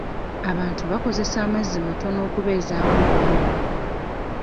Abantu bakozesa amazzi matono okubeezawo obulamu.